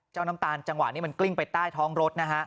เจ้าน้ำตาลเป็นจังหวะกลิ้งไปใต้ท้องรถ